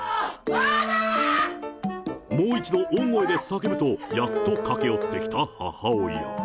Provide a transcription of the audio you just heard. もう一度、大声で叫ぶと、やっと駆け寄ってきた母親。